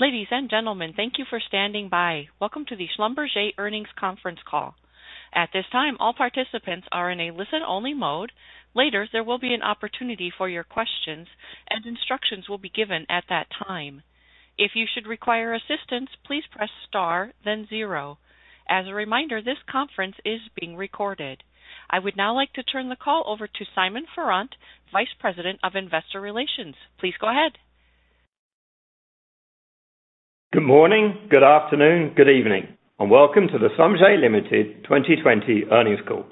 Ladies and gentlemen, thank you for standing by. Welcome to the Schlumberger earnings conference call. At this time, all participants are in a listen-only mode. Later, there will be an opportunity for your questions, and instructions will be given at that time. If you should require assistance, please press star then zero. As a reminder, this conference is being recorded. I would now like to turn the call over to Simon Farrant, Vice President of Investor Relations. Please go ahead. Good morning, good afternoon, good evening, and welcome to the Schlumberger Limited 2020 earnings call.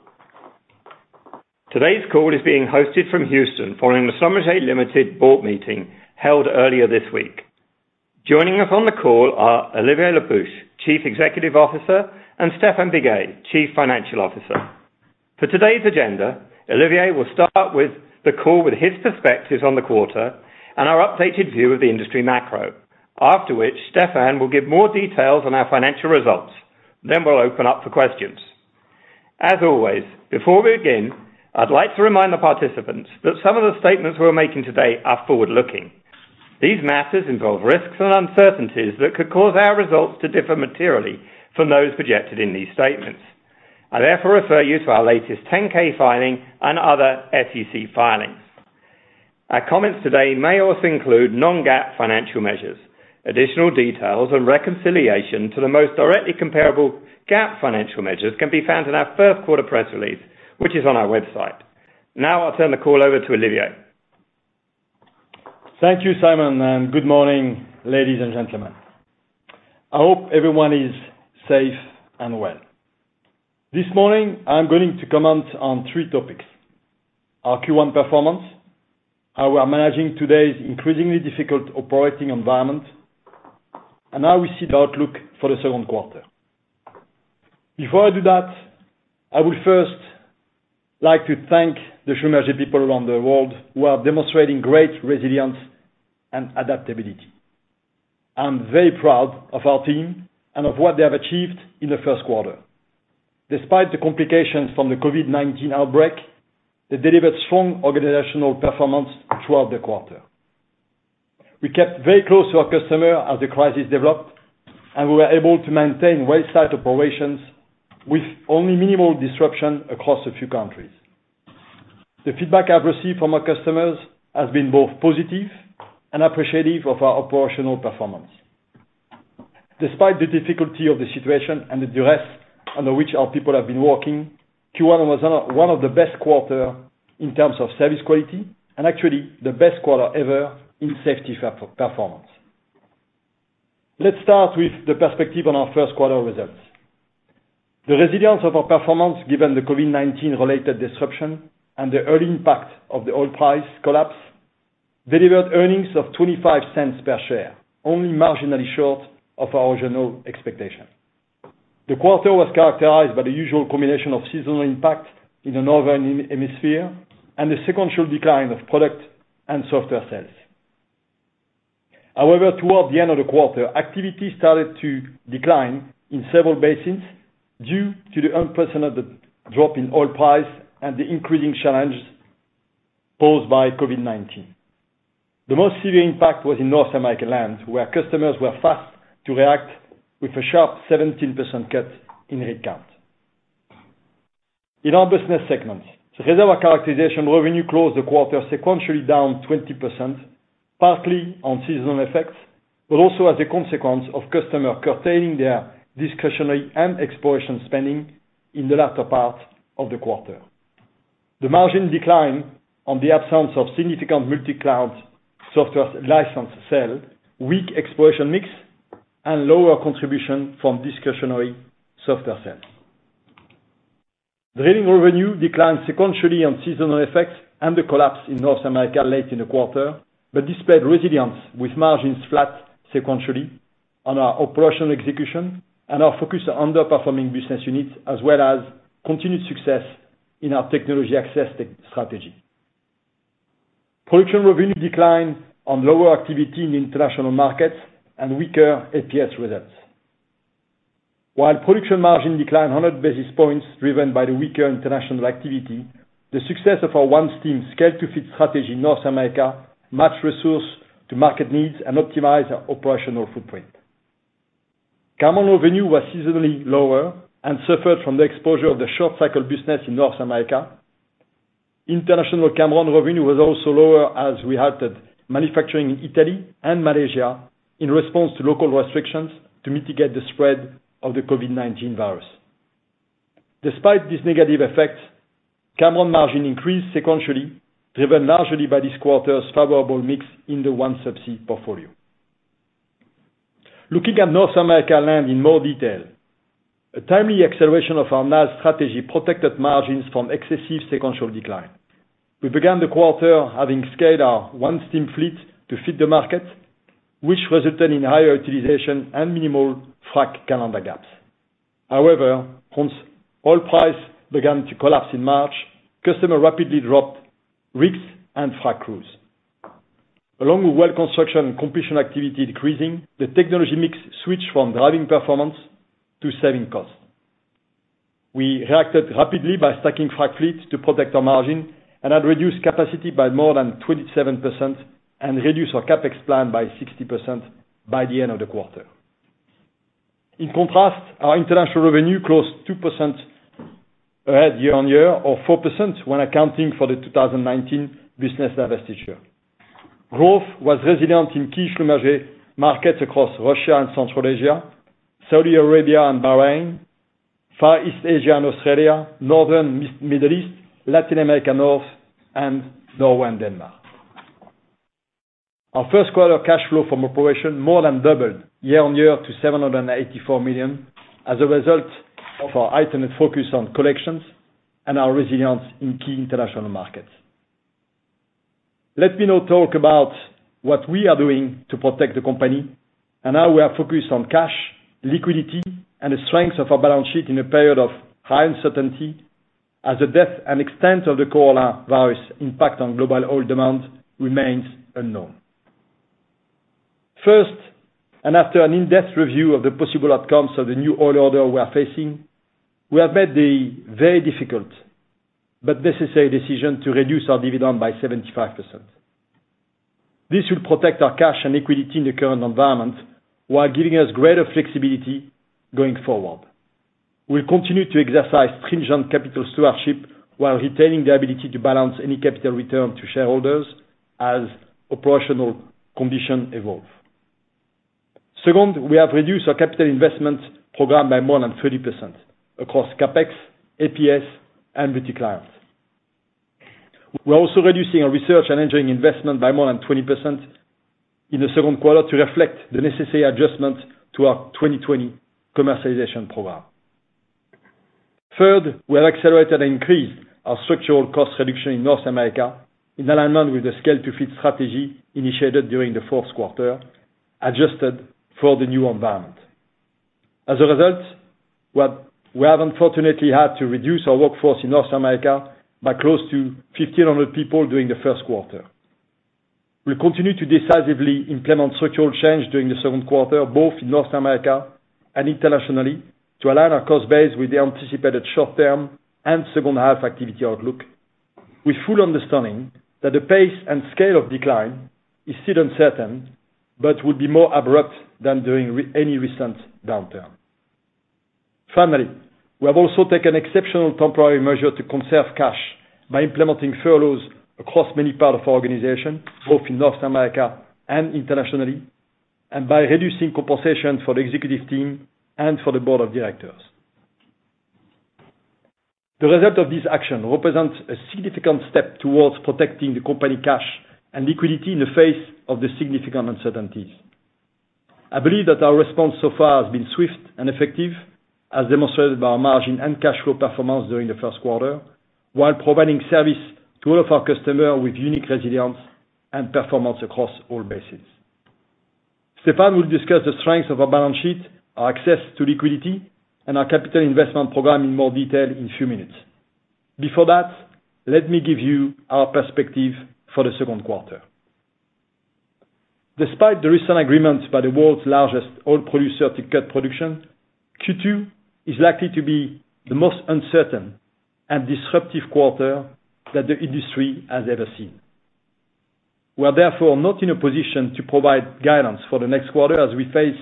Today's call is being hosted from Houston following the Schlumberger Limited board meeting held earlier this week. Joining us on the call are Olivier Le Peuch, Chief Executive Officer, and Stéphane Biguet, Chief Financial Officer. For today's agenda, Olivier will start with the call with his perspectives on the quarter and our updated view of the industry macro, after which Stéphane will give more details on our financial results. We'll open up for questions. As always, before we begin, I'd like to remind the participants that some of the statements we're making today are forward-looking. These matters involve risks and uncertainties that could cause our results to differ materially from those projected in these statements. I therefore refer you to our latest 10-K filing and other SEC filings. Our comments today may also include non-GAAP financial measures, additional details and reconciliation to the most directly comparable GAAP financial measures can be found in our first quarter press release, which is on our website. I'll turn the call over to Olivier. Thank you, Simon, and good morning, ladies and gentlemen. I hope everyone is safe and well. This morning, I'm going to comment on three topics. Our Q1 performance, how we are managing today's increasingly difficult operating environment, and how we see the outlook for the second quarter. Before I do that, I would first like to thank the Schlumberger people around the world who are demonstrating great resilience and adaptability. I'm very proud of our team and of what they have achieved in the first quarter. Despite the complications from the COVID-19 outbreak, they delivered strong organizational performance throughout the quarter. We kept very close to our customer as the crisis developed, and we were able to maintain well site operations with only minimal disruption across a few countries. The feedback I've received from our customers has been both positive and appreciative of our operational performance. Despite the difficulty of the situation and the duress under which our people have been working, Q1 was one of the best quarter in terms of service quality and actually the best quarter ever in safety performance. Let's start with the perspective on our first quarter results. The resilience of our performance given the COVID-19 related disruption and the early impact of the oil price collapse delivered earnings of $0.25 per share, only marginally short of our original expectation. The quarter was characterized by the usual combination of seasonal impact in the Northern Hemisphere and the sequential decline of product and software sales. Towards the end of the quarter, activity started to decline in several basins due to the unprecedented drop in oil price and the increasing challenges posed by COVID-19. The most severe impact was in North America land, where customers were fast to react with a sharp 17% cut in rig count. In our business segments, the Reservoir Characterization revenue closed the quarter sequentially down 20%, partly on seasonal effects, but also as a consequence of customer curtailing their discretionary and exploration spending in the latter part of the quarter. The margin decline on the absence of significant multi-client software license sale, weak exploration mix, and lower contribution from discretionary software sales. Drilling revenue declined sequentially on seasonal effects and the collapse in North America late in the quarter. Displayed resilience with margins flat sequentially on our operational execution and our focus on underperforming business units, as well as continued success in our technology access strategy. Production revenue declined on lower activity in international markets and weaker APS results. While production margin declined 100 basis points driven by the weaker international activity, the success of our OneStim scale-to-fit strategy in North America matched resource to market needs and optimized our operational footprint. Cameron revenue was seasonally lower and suffered from the exposure of the short cycle business in North America. International Cameron revenue was also lower as we halted manufacturing in Italy and Malaysia in response to local restrictions to mitigate the spread of the COVID-19 virus. Despite this negative effect, Cameron margin increased sequentially, driven largely by this quarter's favorable mix in the OneSubsea portfolio. Looking at North America land in more detail, a timely acceleration of our NAM strategy protected margins from excessive sequential decline. We began the quarter having scaled our OneStim fleet to fit the market, which resulted in higher utilization and minimal frac calendar gaps. Once oil price began to collapse in March, customer rapidly dropped rigs and frac crews. Along with well construction and completion activity decreasing, the technology mix switched from driving performance to saving cost. We reacted rapidly by stacking frac fleets to protect our margin and have reduced capacity by more than 27% and reduced our CapEx plan by 60% by the end of the quarter. Our international revenue closed 2% ahead year-on-year or 4% when accounting for the 2019 business divestiture. Growth was resilient in key SLB markets across Russia and Central Asia, Saudi Arabia and Bahrain, Far East Asia and Australia, Northern Middle East, Latin America North, and Norway and Denmark. Our first quarter cash flow from operation more than doubled year on year to $784 million as a result of our heightened focus on collections and our resilience in key international markets. Let me now talk about what we are doing to protect the company and how we are focused on cash, liquidity, and the strength of our balance sheet in a period of high uncertainty as the depth and extent of the coronavirus impact on global oil demand remains unknown. First, after an in-depth review of the possible outcomes of the new oil order we are facing, we have made the very difficult but necessary decision to reduce our dividend by 75%. This will protect our cash and liquidity in the current environment while giving us greater flexibility going forward. We'll continue to exercise stringent capital stewardship while retaining the ability to balance any capital return to shareholders as operational conditions evolve. Second, we have reduced our capital investment program by more than 30% across CapEx, APS, and multi-client. We're also reducing our research and engineering investment by more than 20% in the second quarter to reflect the necessary adjustments to our 2020 commercialization program. Third, we have accelerated and increased our structural cost reduction in North America in alignment with the Scale-to-Fit strategy initiated during the fourth quarter, adjusted for the new environment. As a result, we have unfortunately had to reduce our workforce in North America by close to 1,500 people during the first quarter. We'll continue to decisively implement structural change during the second quarter, both in North America and internationally, to align our cost base with the anticipated short-term and second-half activity outlook. With full understanding that the pace and scale of decline is still uncertain but would be more abrupt than during any recent downturn. Finally, we have also taken exceptional temporary measure to conserve cash by implementing furloughs across many parts of our organization, both in North America and internationally, and by reducing compensation for the executive team and for the board of directors. The result of this action represents a significant step towards protecting the company cash and liquidity in the face of the significant uncertainties. I believe that our response so far has been swift and effective, as demonstrated by our margin and cash flow performance during the first quarter, while providing service to all of our customers with unique resilience and performance across all bases. Stéphane will discuss the strength of our balance sheet, our access to liquidity, and our capital investment program in more detail in a few minutes. Before that, let me give you our perspective for the second quarter. Despite the recent agreements by the world's largest oil producer to cut production, Q2 is likely to be the most uncertain and disruptive quarter that the industry has ever seen. We are therefore not in a position to provide guidance for the next quarter as we face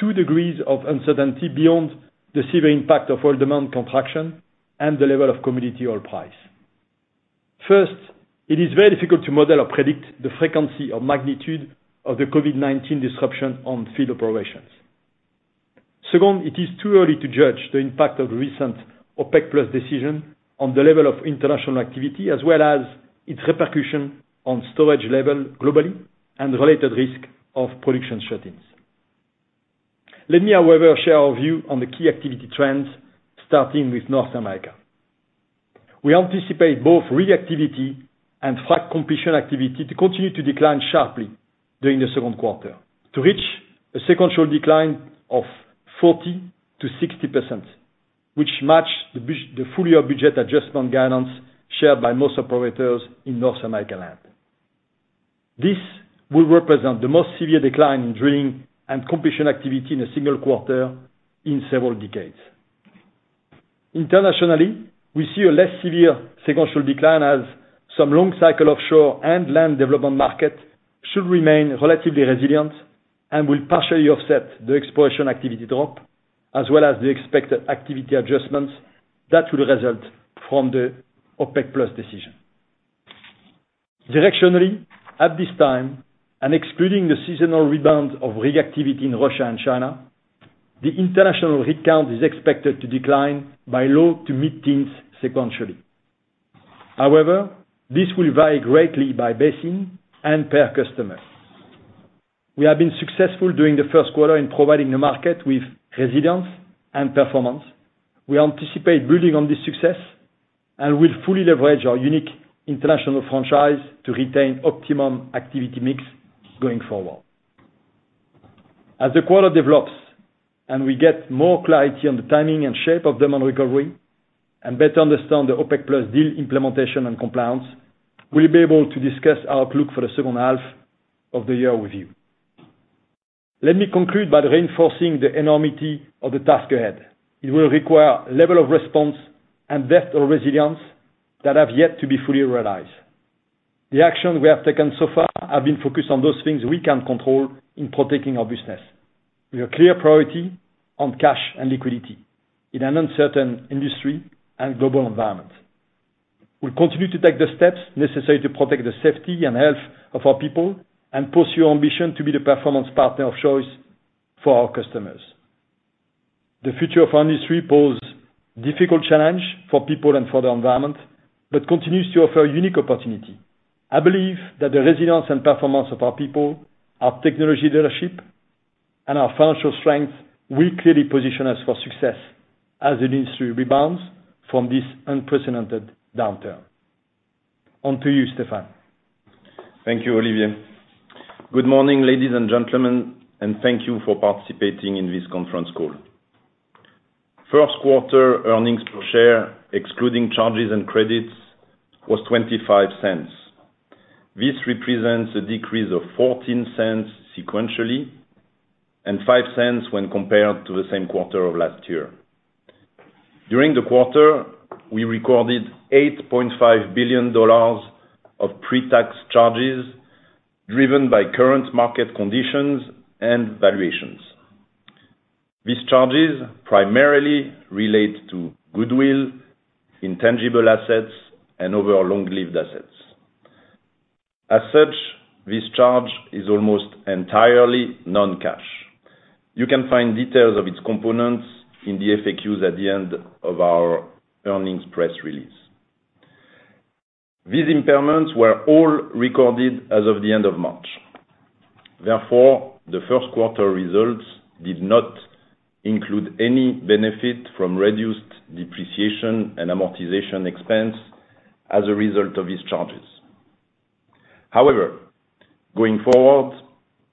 two degrees of uncertainty beyond the severe impact of oil demand contraction and the level of commodity oil price. First, it is very difficult to model or predict the frequency or magnitude of the COVID-19 disruption on field operations. Second, it is too early to judge the impact of recent OPEC+ decision on the level of international activity, as well as its repercussion on storage level globally and related risk of production shut-ins. Let me, however, share our view on the key activity trends, starting with North America. We anticipate both rig activity and frac completion activity to continue to decline sharply during the second quarter to reach a sequential decline of 40%-60%, which match the full-year budget adjustment guidance shared by most operators in North America land. This will represent the most severe decline in drilling and completion activity in a single quarter in several decades. Internationally, we see a less severe sequential decline as some long cycle offshore and land development market should remain relatively resilient and will partially offset the exploration activity drop, as well as the expected activity adjustments that will result from the OPEC+ decision. Directionally, at this time, and excluding the seasonal rebound of rig activity in Russia and China, the international rig count is expected to decline by low to mid-teens sequentially. However, this will vary greatly by basin and per customer. We have been successful during the first quarter in providing the market with resilience and performance. We anticipate building on this success and will fully leverage our unique international franchise to retain optimum activity mix going forward. As the quarter develops and we get more clarity on the timing and shape of demand recovery and better understand the OPEC+ deal implementation and compliance, we'll be able to discuss our outlook for the second half of the year with you. Let me conclude by reinforcing the enormity of the task ahead. It will require level of response and depth of resilience that have yet to be fully realized. The action we have taken so far have been focused on those things we can control in protecting our business. We have clear priority on cash and liquidity in an uncertain industry and global environment. We'll continue to take the steps necessary to protect the safety and health of our people and pursue our ambition to be the performance partner of choice for our customers. The future of our industry poses difficult challenges for people and for the environment, but continues to offer a unique opportunity. I believe that the resilience and performance of our people, our technology leadership, and our financial strength will clearly position us for success as the industry rebounds from this unprecedented downturn. On to you, Stéphane. Thank you, Olivier. Good morning, ladies and gentlemen, thank you for participating in this conference call. First quarter earnings per share, excluding charges and credits, was $0.25. This represents a decrease of $0.14 sequentially, and $0.05 when compared to the same quarter of last year. During the quarter, we recorded $8.5 billion of pre-tax charges driven by current market conditions and valuations. These charges primarily relate to goodwill, intangible assets, and other long-lived assets. As such, this charge is almost entirely non-cash. You can find details of its components in the FAQs at the end of our earnings press release. These impairments were all recorded as of the end of March. Therefore, the first quarter results did not include any benefit from reduced depreciation and amortization expense as a result of these charges. However, going forward,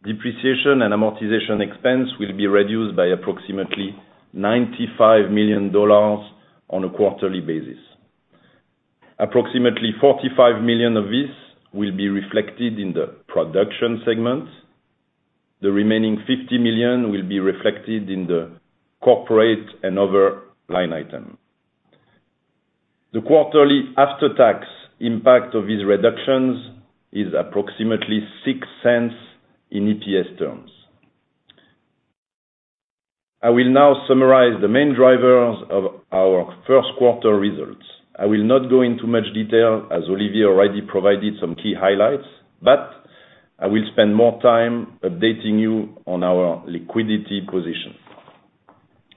Depreciation and Amortization expense will be reduced by approximately $95 million on a quarterly basis. Approximately $45 million of this will be reflected in the production segment. The remaining $50 million will be reflected in the corporate and other line item. The quarterly after-tax impact of these reductions is approximately $0.06 in EPS terms. I will now summarize the main drivers of our first quarter results. I will not go into much detail, as Olivier already provided some key highlights. I will spend more time updating you on our liquidity position.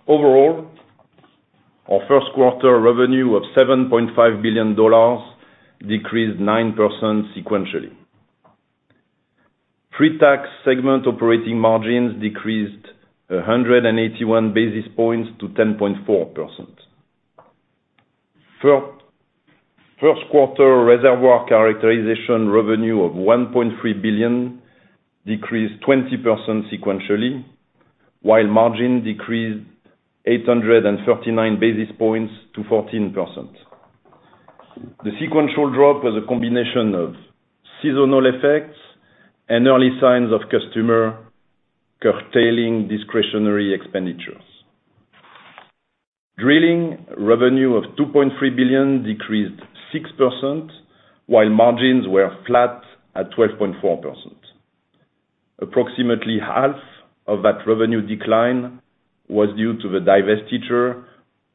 Overall, our first quarter revenue of $7.5 billion decreased 9% sequentially. Pre-tax segment operating margins decreased 181 basis points to 10.4%. First quarter Reservoir Characterization revenue of $1.3 billion decreased 20% sequentially, while margin decreased 839 basis points to 14%. The sequential drop was a combination of seasonal effects and early signs of customer curtailing discretionary expenditures. Drilling revenue of $2.3 billion decreased 6%, while margins were flat at 12.4%. Approximately half of that revenue decline was due to the divestiture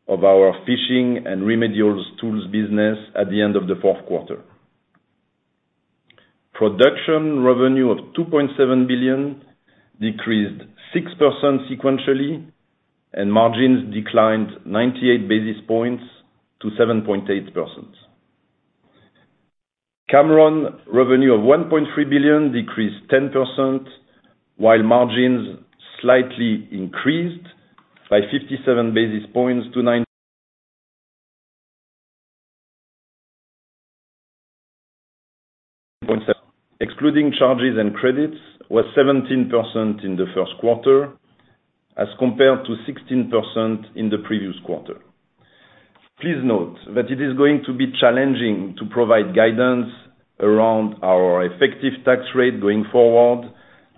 of our fishing and remedial tools business at the end of the fourth quarter. Production revenue of $2.7 billion decreased 6% sequentially, and margins declined 98 basis points to 7.8%. Cameron revenue of $1.3 billion decreased 10%, while margins slightly increased by 57 basis points to 9.7%, excluding charges and credits, was 17% in the first quarter as compared to 16% in the previous quarter. Please note that it is going to be challenging to provide guidance around our effective tax rate going forward,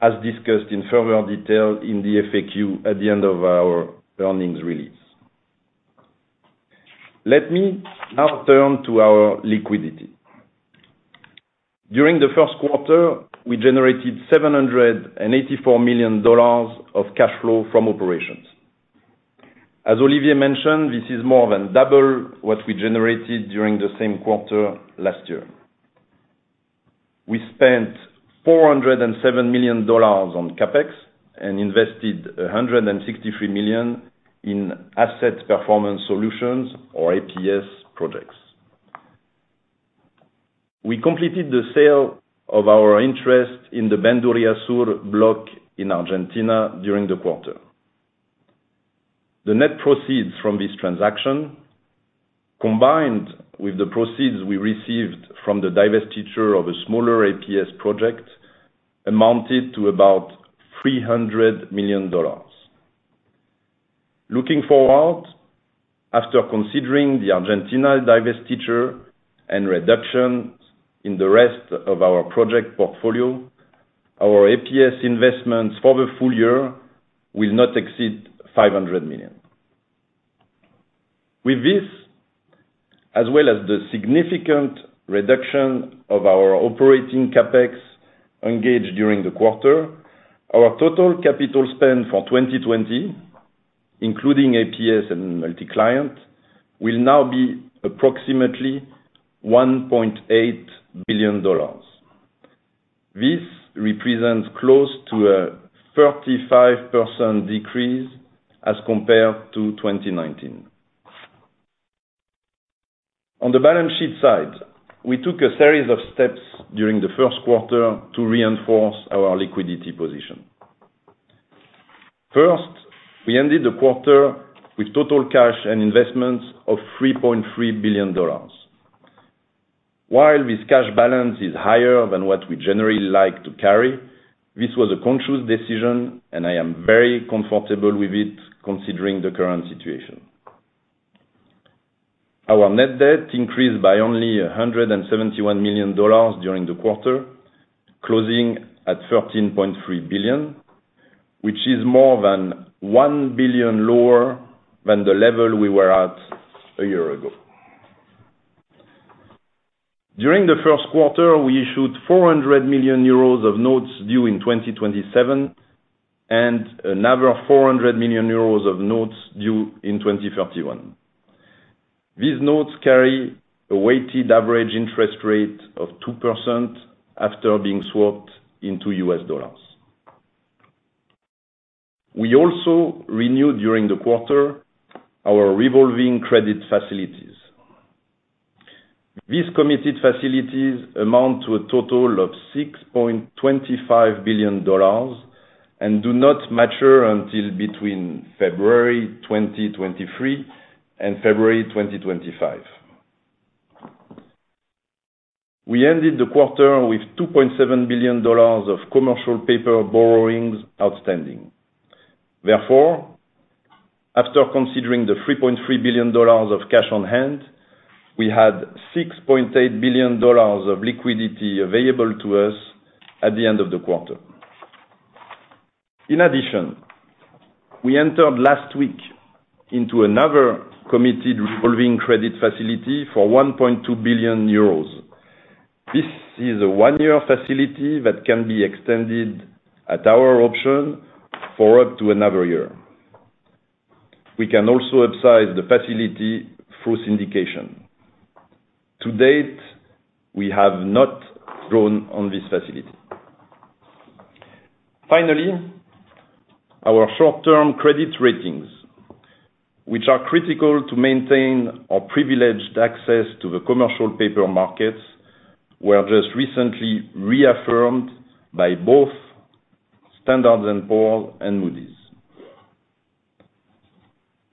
as discussed in further detail in the FAQ at the end of our earnings release. Let me now turn to our liquidity. During the first quarter, we generated $784 million of cash flow from operations. As Olivier mentioned, this is more than double what we generated during the same quarter last year. We spent $407 million on CapEx and invested $163 million in Asset Performance Solutions, or APS projects. We completed the sale of our interest in the Bandurria Sur block in Argentina during the quarter. The net proceeds from this transaction, combined with the proceeds we received from the divestiture of a smaller APS project, amounted to about $300 million. Looking forward, after considering the Argentina divestiture and reduction in the rest of our project portfolio, our APS investments for the full year will not exceed $500 million. With this, as well as the significant reduction of our operating CapEx engaged during the quarter, our total capital spend for 2020, including APS and multi-client, will now be approximately $1.8 billion. This represents close to a 35% decrease as compared to 2019. On the balance sheet side, we took a series of steps during the first quarter to reinforce our liquidity position. First, we ended the quarter with total cash and investments of $3.3 billion. While this cash balance is higher than what we generally like to carry, this was a conscious decision, and I am very comfortable with it considering the current situation. Our net debt increased by only $171 million during the quarter, closing at $13.3 billion, which is more than $1 billion lower than the level we were at a year ago. During the first quarter, we issued 400 million euros of notes due in 2027, and another 400 million euros of notes due in 2031. These notes carry a weighted average interest rate of 2% after being swapped into U.S. dollars. We also renewed during the quarter our revolving credit facilities. These committed facilities amount to a total of $6.25 billion and do not mature until between February 2023 and February 2025. We ended the quarter with $2.7 billion of commercial paper borrowings outstanding. Therefore, after considering the $3.3 billion of cash on hand, we had $6.8 billion of liquidity available to us at the end of the quarter. In addition, we entered last week into another committed revolving credit facility for 1.2 billion euros. This is a one-year facility that can be extended at our option for up to another year. We can also upsize the facility through syndication. To date, we have not drawn on this facility. Finally, our short-term credit ratings, which are critical to maintain our privileged access to the commercial paper markets, were just recently reaffirmed by both Standard & Poor's and Moody's.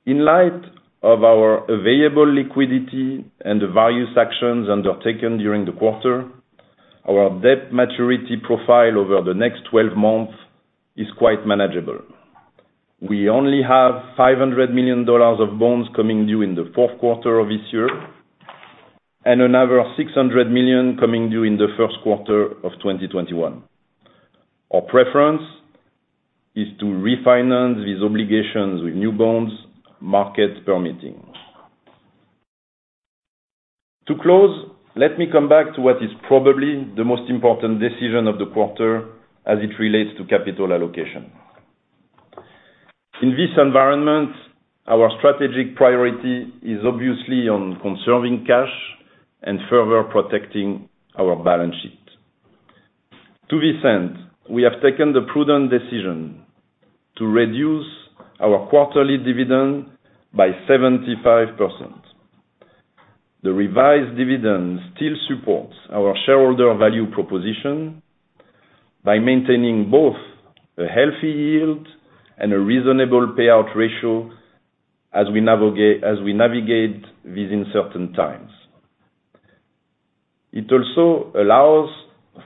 In light of our available liquidity and the various actions undertaken during the quarter, our debt maturity profile over the next 12 months is quite manageable. We only have $500 million of bonds coming due in the fourth quarter of this year, and another $600 million coming due in the first quarter of 2021. Our preference is to refinance these obligations with new bonds, markets permitting. To close, let me come back to what is probably the most important decision of the quarter as it relates to capital allocation. In this environment, our strategic priority is obviously on conserving cash and further protecting our balance sheet. To this end, we have taken the prudent decision to reduce our quarterly dividend by 75%. The revised dividend still supports our shareholder value proposition by maintaining both a healthy yield and a reasonable payout ratio as we navigate these uncertain times. It also allows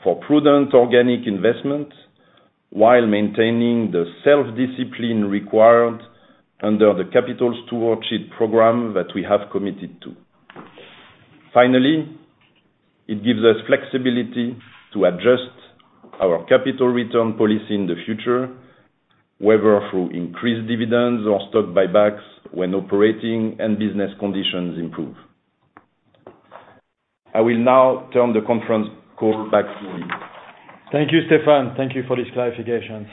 for prudent organic investment while maintaining the self-discipline required under the capital stewardship program that we have committed to. Finally, it gives us flexibility to adjust our capital return policy in the future, whether through increased dividends or stock buybacks when operating and business conditions improve. I will now turn the conference call back to you Olivier. Thank you, Stéphane. Thank you for this clarification.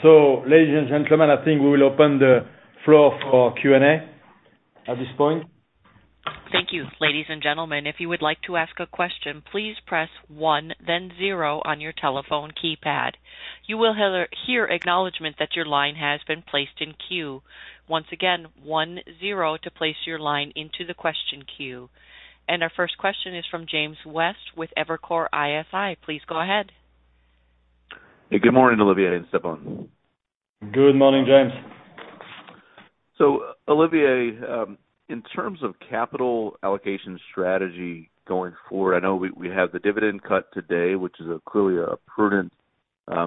Ladies and gentlemen, I think we will open the floor for Q&A at this point. Thank you. Ladies and gentlemen, if you would like to ask a question, please press one then zero on your telephone keypad. You will hear acknowledgment that your line has been placed in queue. Once again, one, zero to place your line into the question queue. Our first question is from James West with Evercore ISI. Please go ahead. Hey, good morning, Olivier and Stéphane. Good morning, James. Olivier, in terms of capital allocation strategy going forward, I know we had the dividend cut today, which is clearly a prudent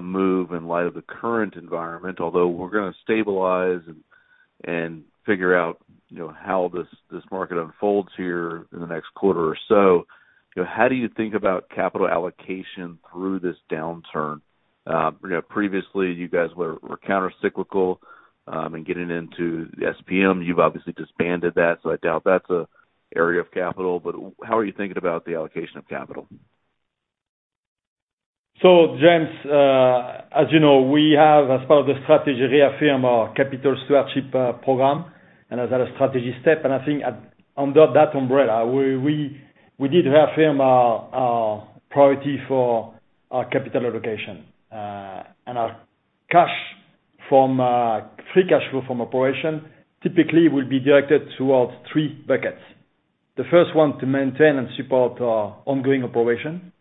move in light of the current environment, although we're going to stabilize and figure out how this market unfolds here in the next quarter or so. How do you think about capital allocation through this downturn? Previously, you guys were counter-cyclical and getting into the SPM. You've obviously disbanded that, so I doubt that's an area of capital. How are you thinking about the allocation of capital? James, as you know, we have, as part of the strategy, reaffirm our capital stewardship program and as a strategy step. I think under that umbrella, we did reaffirm our priority for our capital allocation. Our free cash flow from operation typically will be directed towards three buckets. The first one to maintain and support our ongoing operation,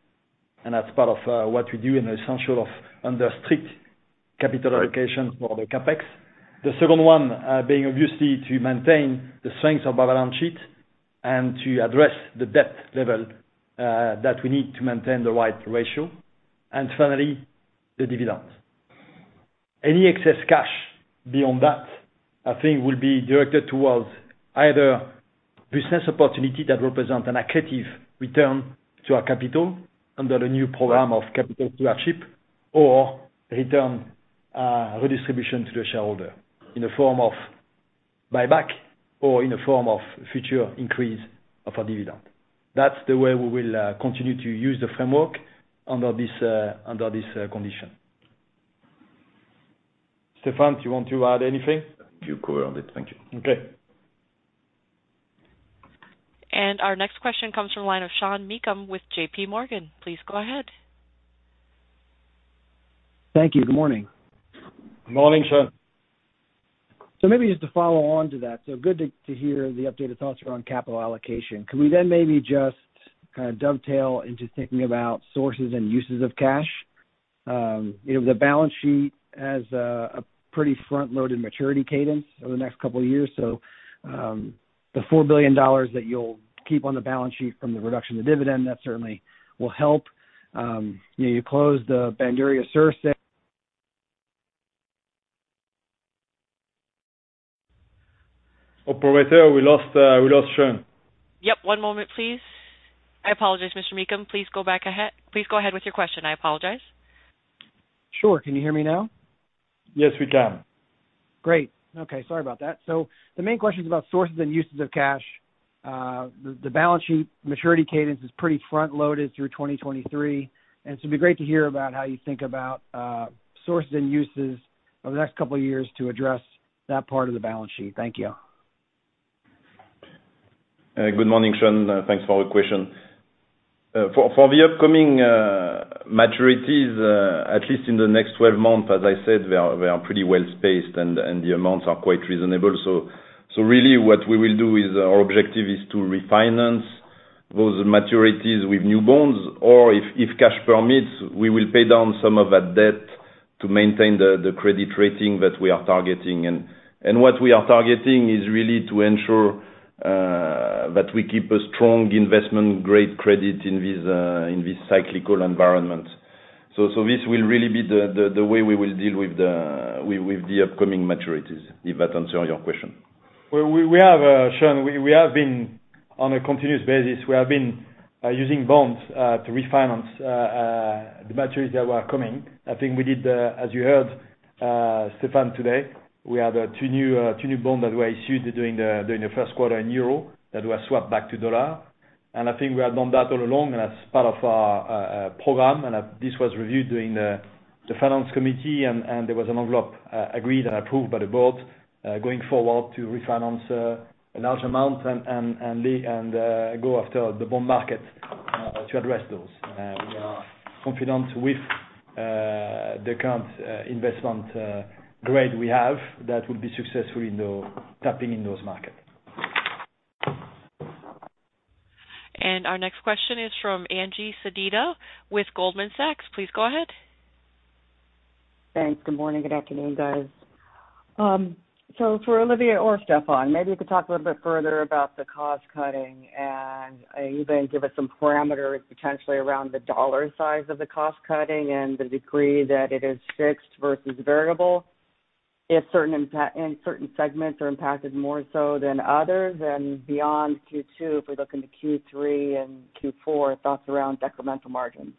and that's part of what we do in the essential of under strict capital allocations for the CapEx. The second one being obviously to maintain the strength of our balance sheet and to address the debt level that we need to maintain the right ratio. Finally, the dividends. Any excess cash beyond that, I think, will be directed towards either business opportunity that represents an accretive return to our capital under the new program of capital stewardship, or return redistribution to the shareholder in the form of buyback or in the form of future increase of our dividend. That's the way we will continue to use the framework under this condition. Stéphane, do you want to add anything? You covered it. Thank you. Okay. Our next question comes from the line of Sean Meakim with JPMorgan. Please go ahead. Thank you. Good morning. Good morning, Sean. Maybe just to follow on to that. Good to hear the updated thoughts around capital allocation. Could we then maybe just kind of dovetail into thinking about sources and uses of cash? The balance sheet has a pretty front-loaded maturity cadence over the next couple of years. The $4 billion that you'll keep on the balance sheet from the reduction of dividend, that certainly will help. You closed the Bandurria Sur. Operator, we lost Sean. Yep. One moment, please. I apologize, Mr. Meakim. Please go ahead with your question. I apologize. Sure. Can you hear me now? Yes, we can. Great. Okay. Sorry about that. The main question is about sources and uses of cash. The balance sheet maturity cadence is pretty front-loaded through 2023, it'd be great to hear about how you think about sources and uses over the next couple of years to address that part of the balance sheet. Thank you. Good morning, Sean. Thanks for the question. For the upcoming maturities, at least in the next 12 months, as I said, they are pretty well-spaced and the amounts are quite reasonable. Really what we will do is our objective is to refinance those maturities with new bonds, or if cash permits, we will pay down some of that debt to maintain the credit rating that we are targeting. What we are targeting is really to ensure that we keep a strong investment grade credit in this cyclical environment. This will really be the way we will deal with the upcoming maturities. If that answers your question? Sean, on a continuous basis, we have been using bonds to refinance the maturities that were coming. I think we did, as you heard Stéphane today, we have two new bond that were issued during the first quarter in EUR that were swapped back to dollar. I think we have done that all along, and that's part of our program. This was reviewed during the Finance Committee, and there was an envelope agreed and approved by the board, going forward to refinance a large amount and go after the bond market to address those. We are confident with the current investment grade we have that will be successful in tapping in those markets. Our next question is from Angie Sedita with Goldman Sachs. Please go ahead. Thanks. Good morning. Good afternoon, guys. For Olivier or Stéphane, maybe you could talk a little bit further about the cost cutting and even give us some parameters potentially around the dollar size of the cost cutting and the degree that it is fixed versus variable. If certain segments are impacted more so than others. Beyond Q2, if we look into Q3 and Q4, thoughts around decremental margins.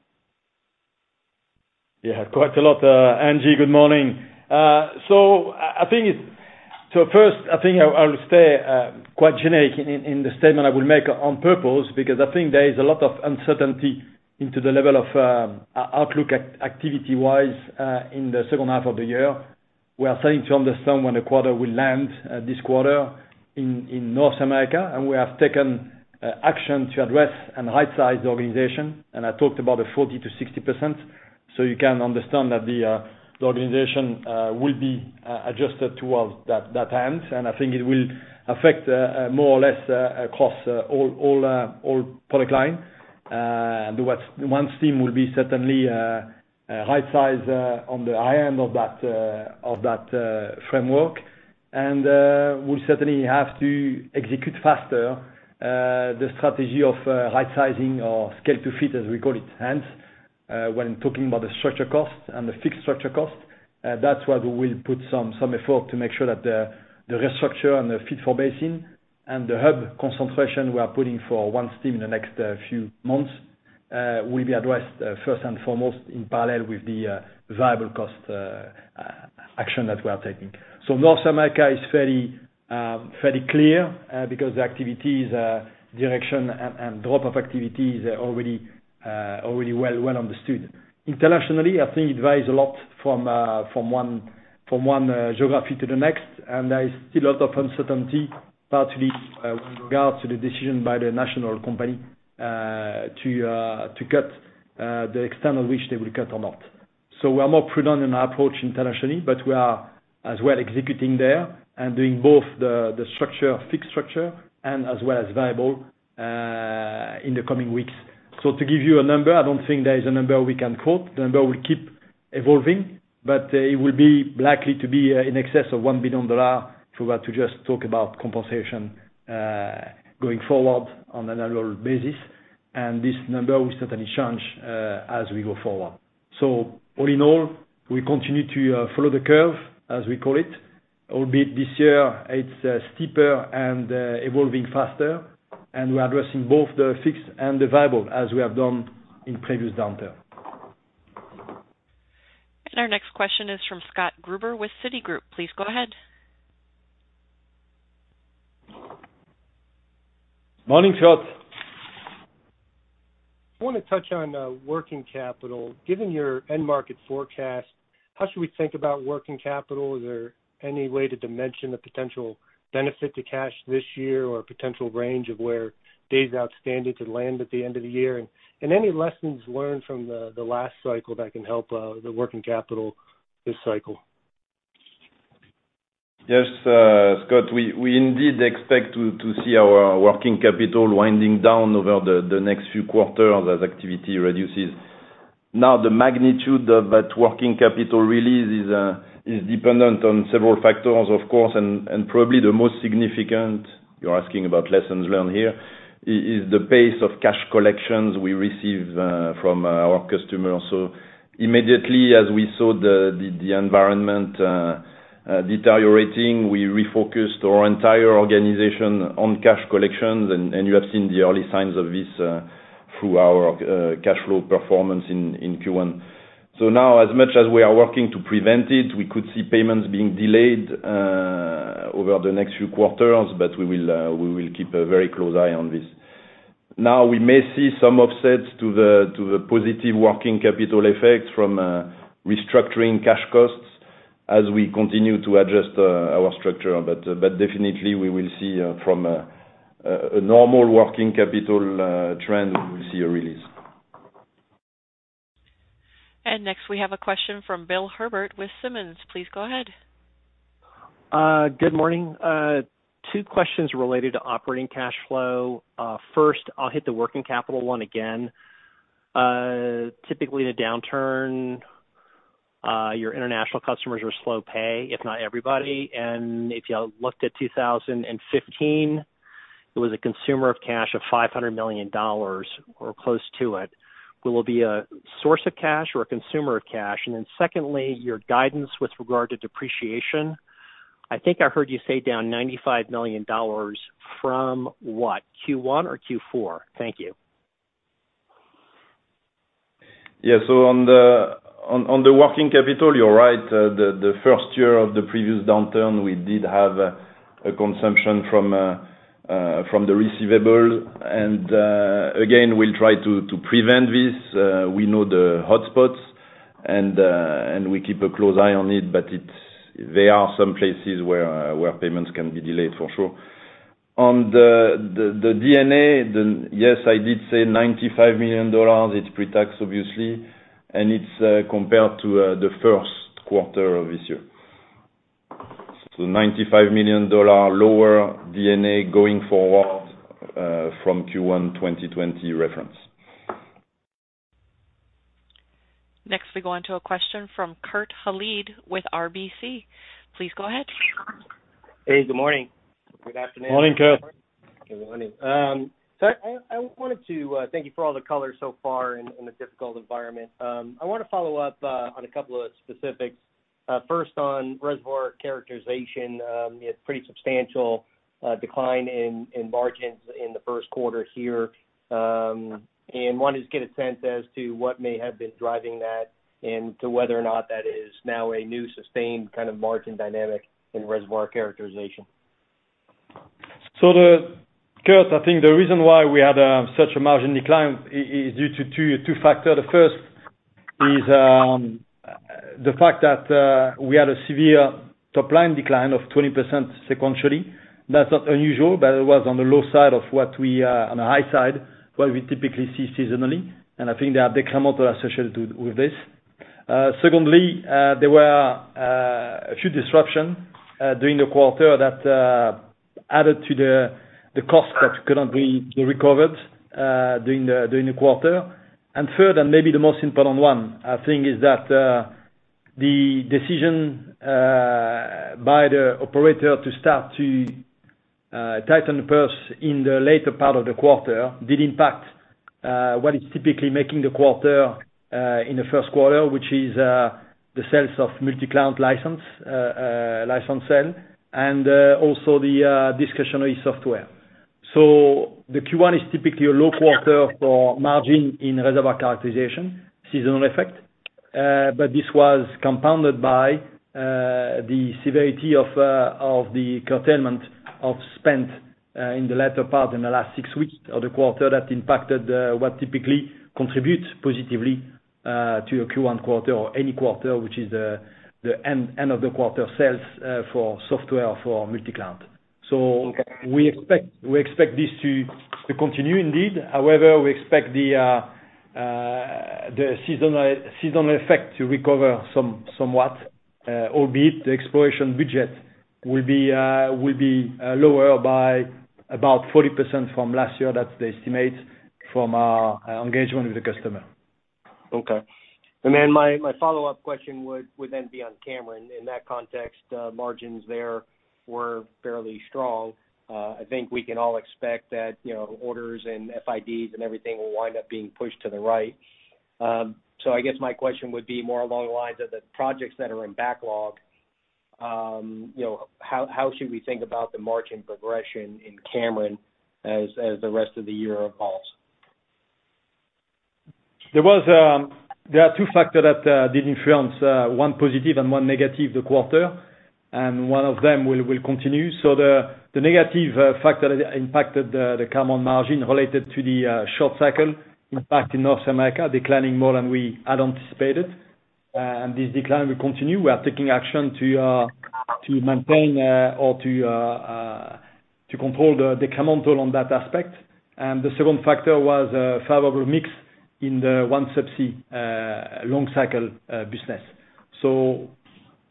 Yeah, quite a lot. Angie, good morning. First, I think I will stay quite generic in the statement I will make on purpose because I think there is a lot of uncertainty into the level of outlook activity-wise in the second half of the year. We are starting to understand when the quarter will land this quarter in North America. We have taken action to address and rightsize the organization, and I talked about the 40%-60%. You can understand that the organization will be adjusted towards that end. I think it will affect more or less across all product line. The OneStim will be certainly rightsized on the high end of that framework. We certainly have to execute faster the strategy of rightsizing or scale-to-fit, as we call it, hence when talking about the structure cost and the fixed structure cost. That's why we will put some effort to make sure that the restructure and the Fit-for-Basin and the hub concentration we are putting for OneStim in the next few months will be addressed first and foremost, in parallel with the variable cost action that we are taking. North America is fairly clear, because the activities, direction, and drop of activities are already well understood. Internationally, I think it varies a lot from one geography to the next, and there is still a lot of uncertainty, partly with regard to the decision by the national company to cut the extent of which they will cut or not. We are more prudent in our approach internationally, but we are as well executing there and doing both the fixed structure and as well as variable in the coming weeks. To give you a number, I don't think there is a number we can quote. The number will keep evolving, but it will be likely to be in excess of $1 billion for us to just talk about compensation going forward on an annual basis. This number will certainly change as we go forward. All in all, we continue to follow the curve, as we call it, albeit this year it's steeper and evolving faster. We are addressing both the fixed and the variable as we have done in previous downturn. Our next question is from Scott Gruber with Citigroup. Please go ahead. Morning, Scott. I want to touch on working capital. Given your end market forecast, how should we think about working capital? Is there any way to dimension the potential benefit to cash this year or potential range of where days outstanding could land at the end of the year? Any lessons learned from the last cycle that can help the working capital this cycle? Yes, Scott, we indeed expect to see our working capital winding down over the next few quarters as activity reduces. The magnitude of that working capital release is dependent on several factors, of course, and probably the most significant, you're asking about lessons learned here, is the pace of cash collections we receive from our customers. Immediately as we saw the environment deteriorating, we refocused our entire organization on cash collections. You have seen the early signs of this through our cash flow performance in Q1. Now, as much as we are working to prevent it, we could see payments being delayed over the next few quarters, but we will keep a very close eye on this. We may see some offsets to the positive working capital effect from restructuring cash costs as we continue to adjust our structure. Definitely, we will see from a normal working capital trend, we will see a release. Next we have a question from Bill Herbert with Simmons. Please go ahead. Good morning. Two questions related to operating cash flow. First, I'll hit the working capital one again. Typically, the downturn, your international customers are slow pay, if not everybody. If you looked at 2015, it was a consumer of cash of $500 million, or close to it. Will it be a source of cash or a consumer of cash? Secondly, your guidance with regard to depreciation. I think I heard you say down $95 million from what, Q1 or Q4? Thank you. On the working capital, you're right. The first year of the previous downturn, we did have a consumption from the receivables. Again, we'll try to prevent this. We know the hotspots and we keep a close eye on it, but there are some places where payments can be delayed, for sure. On the D&A, yes, I did say $95 million. It's pre-tax, obviously. It's compared to the first quarter of this year. $95 million lower D&A going forward from Q1 2020 reference. Next, we go on to a question from Kurt Hallead with RBC. Please go ahead. Hey, good morning. Good afternoon. Morning, Kurt. Good morning. I wanted to thank you for all the color so far in a difficult environment. I want to follow up on a couple of specifics. First, on Reservoir Characterization. A pretty substantial decline in margins in the first quarter here. Wanted to get a sense as to what may have been driving that and to whether or not that is now a new sustained kind of margin dynamic in Reservoir Characterization. Kurt, I think the reason why we had such a margin decline is due to two factors. The first is the fact that we had a severe top-line decline of 20% sequentially. That's not unusual, but it was on the high side, what we typically see seasonally. I think there are decrementals associated with this. Secondly, there were a few disruptions during the quarter that added to the cost that could not be recovered during the quarter. Third, and maybe the most important one, I think, is that the decision by the operator to start to tighten the purse in the later part of the quarter did impact what is typically making the quarter in the first quarter, which is the sales of multi-client license sale, and also the discretionary software. The Q1 is typically a low quarter for margin in Reservoir Characterization, seasonal effect. This was compounded by the severity of the curtailment of spend in the latter part, in the last six weeks of the quarter that impacted what typically contributes positively to a Q1 quarter or any quarter, which is the end of the quarter sales for software for multi-client. We expect this to continue indeed. However, we expect the seasonal effect to recover somewhat, albeit the exploration budget will be lower by about 40% from last year. That's the estimate from our engagement with the customer. Okay. My follow-up question would then be on Cameron. In that context, margins there were fairly strong. I think we can all expect that orders and FIDs and everything will wind up being pushed to the right. I guess my question would be more along the lines of the projects that are in backlog. How should we think about the margin progression in Cameron as the rest of the year evolves? There are two factors that did influence, one positive and one negative, the quarter, and one of them will continue. The negative factor that impacted the Cameron margin related to the short cycle impact in North America declining more than we had anticipated. This decline will continue. We are taking action to maintain or to control the decrementals on that aspect. The second factor was a favorable mix in the OneSubsea long-cycle business.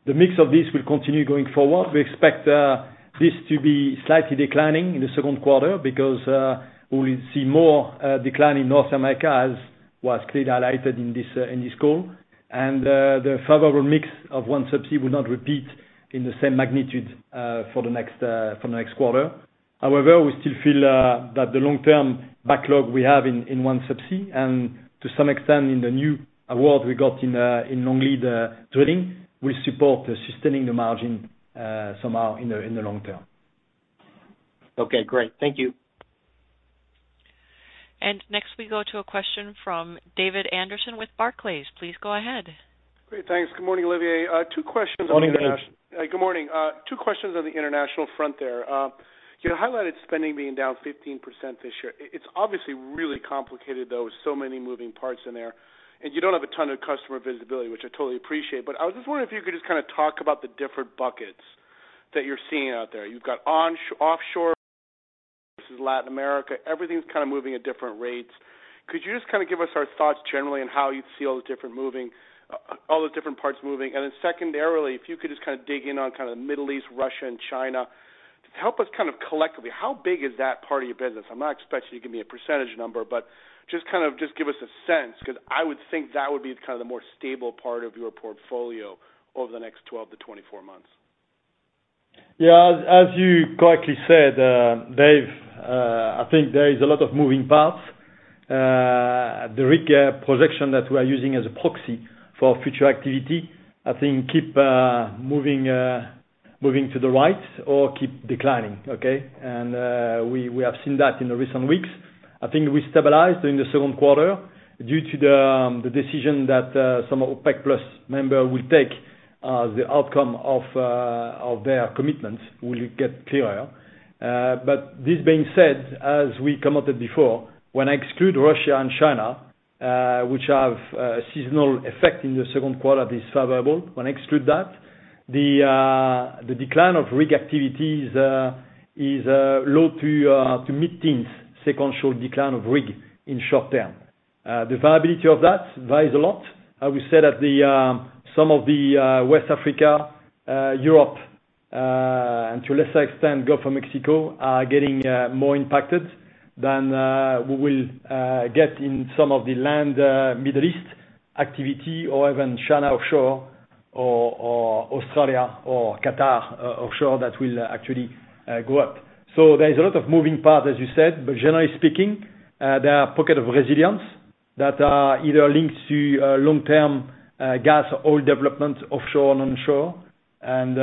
The mix of this will continue going forward. We expect this to be slightly declining in the second quarter because we will see more decline in North America, as was clearly highlighted in this call. The favorable mix of OneSubsea will not repeat in the same magnitude for the next quarter. However, we still feel that the long-term backlog we have in OneSubsea, and to some extent in the new award we got in long lead drilling, will support sustaining the margin somehow in the long term. Okay, great. Thank you. Next we go to a question from David Anderson with Barclays. Please go ahead. Great. Thanks. Good morning, Olivier. Two questions. Morning, David. Good morning. Two questions on the international front there. You highlighted spending being down 15% this year. It's obviously really complicated though, with so many moving parts in there, and you don't have a ton of customer visibility, which I totally appreciate. I was just wondering if you could just talk about the different buckets that you're seeing out there. You've got offshore versus Latin America. Everything's kind of moving at different rates. Could you just give us our thoughts generally on how you see all the different parts moving? Then secondarily, if you could just dig in on kind of Middle East, Russia, and China. Just help us kind of collectively, how big is that part of your business? I'm not expecting you to give me a percentage number, but just give us a sense, because I would think that would be the more stable part of your portfolio over the next 12 months-24 months. Yeah, as you correctly said, Dave, I think there is a lot of moving parts. The rig projection that we are using as a proxy for future activity, I think keep moving to the right or keep declining, okay? We have seen that in the recent weeks. I think we stabilize during the second quarter due to the decision that some OPEC+ member will take. The outcome of their commitments will get clearer. This being said, as we commented before, when I exclude Russia and China, which have a seasonal effect in the second quarter that is favorable, when I exclude that, the decline of rig activity is low to mid-teens sequential decline of rig in short term. The viability of that varies a lot. I would say that some of the West Africa, Europe, and to a lesser extent, Gulf of Mexico, are getting more impacted than we will get in some of the land Middle East activity or even China offshore or Australia or Qatar offshore, that will actually go up. There is a lot of moving parts, as you said, but generally speaking, there are pockets of resilience that are either linked to long-term gas, oil development offshore and onshore, and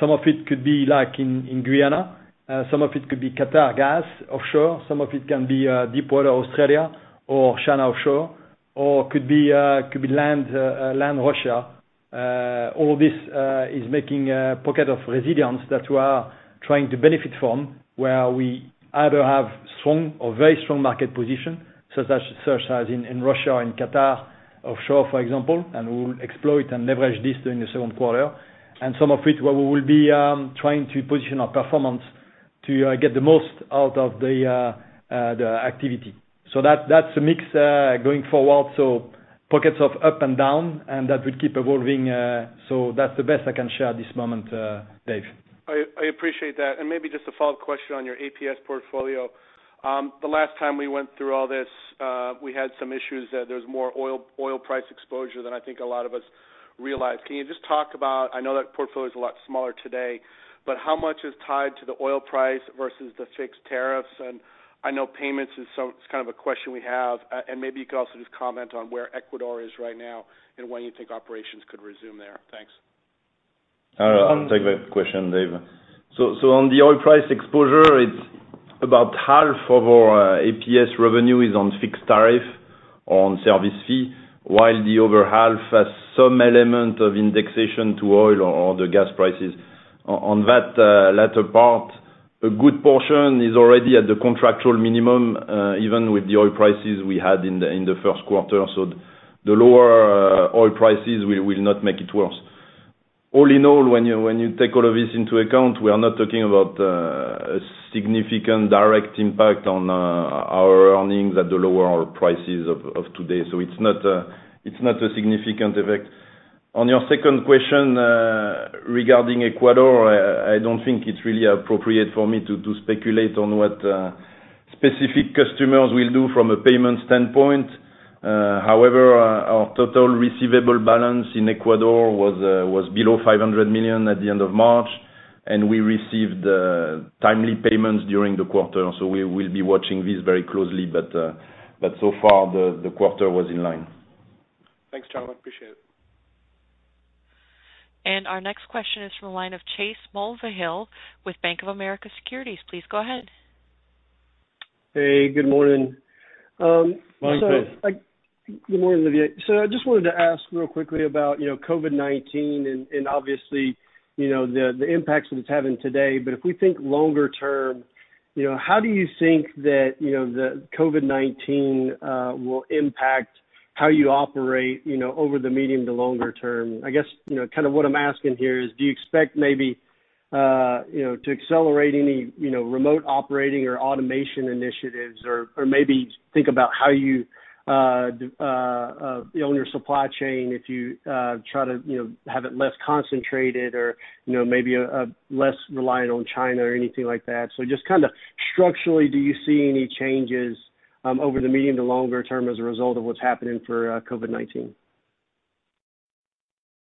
some of it could be like in Guyana, some of it could be Qatar gas offshore, some of it can be deepwater Australia or China offshore, or could be land Russia. All this is making a pocket of resilience that we are trying to benefit from, where we either have strong or very strong market position, such as in Russia and Qatar offshore, for example, and we will exploit and leverage this during the second quarter. Some of it where we will be trying to position our performance to get the most out of the activity. That's a mix going forward. Pockets of up and down, and that will keep evolving. That's the best I can share at this moment, Dave. I appreciate that. Maybe just a follow-up question on your APS portfolio. The last time we went through all this, we had some issues that there was more oil price exposure than I think a lot of us realized. Can you just talk about, I know that portfolio is a lot smaller today, but how much is tied to the oil price versus the fixed tariffs? I know payments is kind of a question we have. Maybe you could also just comment on where Ecuador is right now and when you think operations could resume there. Thanks. I'll take that question, Dave. On the oil price exposure, it's about half of our APS revenue is on fixed tariff on service fee, while the other half has some element of indexation to oil or the gas prices. On that latter part, a good portion is already at the contractual minimum, even with the oil prices we had in the first quarter. The lower oil prices will not make it worse. All in all, when you take all of this into account, we are not talking about a significant direct impact on our earnings at the lower oil prices of today. It's not a significant effect. On your second question, regarding Ecuador, I don't think it's really appropriate for me to speculate on what specific customers will do from a payment standpoint. Our total receivable balance in Ecuador was below $500 million at the end of March, and we received timely payments during the quarter. We will be watching this very closely, but so far the quarter was in line. Thanks, gentleman. Appreciate it. Our next question is from the line of Chase Mulvehill with BofA Securities. Please go ahead. Hey, good morning. Morning, Chase. Good morning, Olivier. I just wanted to ask real quickly about COVID-19 and obviously, the impacts that it's having today. If we think longer term, how do you think that the COVID-19 will impact how you operate over the medium to longer term? I guess, kind of what I'm asking here is, do you expect maybe to accelerate any remote operating or automation initiatives or maybe think about how you on your supply chain, if you try to have it less concentrated or maybe less reliant on China or anything like that. Just kind of structurally, do you see any changes over the medium to longer term as a result of what's happening for COVID-19?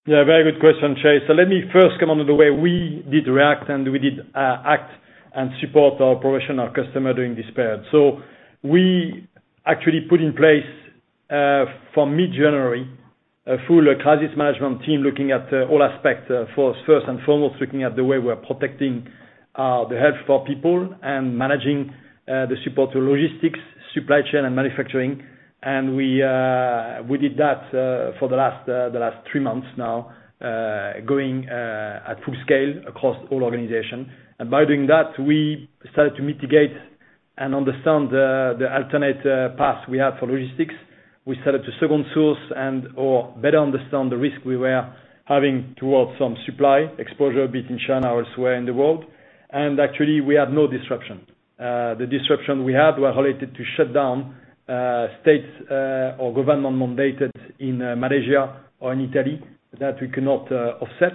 Very good question, Chase. Let me first come on to the way we did react, and we did act and support our operation, our customer during this period. We actually put in place, from mid-January, a full crisis management team looking at all aspects. First and foremost, looking at the way we're protecting the health of our people and managing the support to logistics, supply chain, and manufacturing. We did that for the last three months now, going at full scale across all organization. By doing that, we started to mitigate and understand the alternate paths we have for logistics. We set up to second source and/or better understand the risk we were having towards some supply exposure, be it in China or elsewhere in the world. Actually, we had no disruption. The disruption we had were related to shutdown, states or government-mandated in Malaysia or in Italy that we cannot offset.